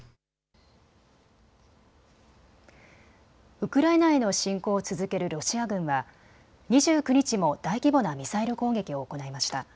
ウクライナへの侵攻を続けるロシア軍は２９日も大規模なミサイル攻撃を行いました。